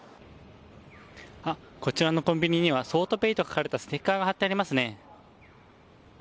こちらのコンビニには桑都ペイと書かれたステッカーが貼ってありますね。